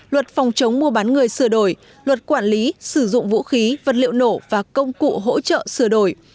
luật phòng chống mua bán người sửa đổi luật quản lý sử dụng vũ khí vật liệu nổ và công cụ hỗ trợ sửa đổi